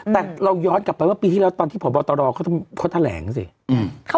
แต่เราย้อนกลับไปว่าปีที่แล้วตอนที่พบตรเขาแถลงสิ